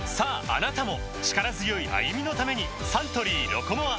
あなたも力強い歩みのためにサントリー「ロコモア」